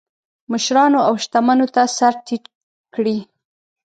مشرانو او شتمنو ته سر ټیټ کړي.